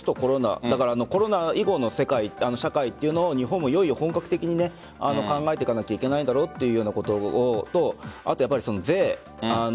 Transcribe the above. コロナ以後の世界っていうのも日本もいよいよ本格的に考えていかなければいけないだろうということと税。